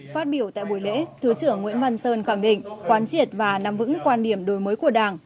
phát biểu tại buổi lễ thứ trưởng nguyễn văn sơn khẳng định quán triệt và nắm vững quan điểm đổi mới của đảng